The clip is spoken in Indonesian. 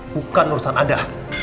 bukan urusan anda